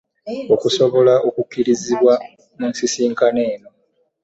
Okusobola okukkirizibwa mu nsisinkano eno.